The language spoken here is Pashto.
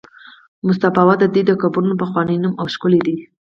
مستابه د دوی د قبرونو پخوانی نوم او شکل دی.